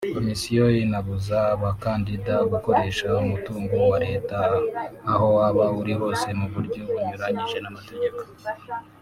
Komisiyo inabuza abakandida gukoresha umutungo wa leta aho waba uri hose mu buryo bunyuranyije n’amategeko